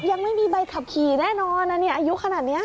ยังไม่มีใบขับขี่แน่นอนนะเนี่ยอายุขนาดนี้